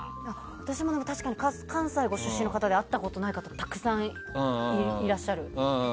私も確かに関西ご出身の方で会ったことない方たくさんいらっしゃる。